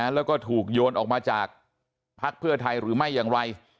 แล้วก็ถูกโยนออกมาจากภักดิ์เพื่อไทยหรือไม่อย่างไร